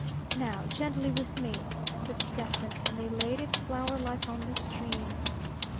"Now gently with me," said Stephen, and they laid it flowerlike on the stream.